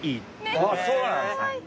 あぁそうなんですか。